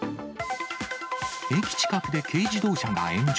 駅近くで軽自動車が炎上。